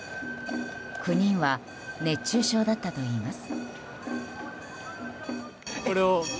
９人は熱中症だったといいます。